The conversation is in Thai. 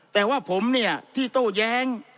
แต่ว่าผมเนี่ยที่โต้แย้ง